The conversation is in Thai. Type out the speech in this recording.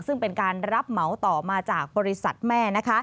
ซึ่งเป็นการรับเหมาต่อมาจากบริษัทแม่